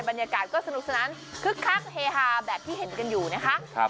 บรรยากาศก็สนุกสนานคึกคักเฮฮาแบบที่เห็นกันอยู่นะคะ